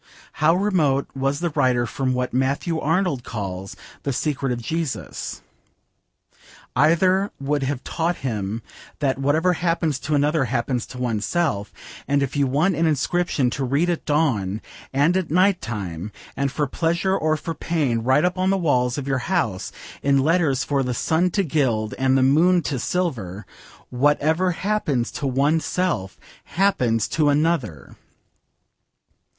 How remote was the writer from what Matthew Arnold calls 'the Secret of Jesus.' Either would have taught him that whatever happens to another happens to oneself, and if you want an inscription to read at dawn and at night time, and for pleasure or for pain, write up on the walls of your house in letters for the sun to gild and the moon to silver, 'Whatever happens to oneself happens to another.'